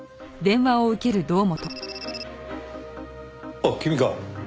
あっ君か。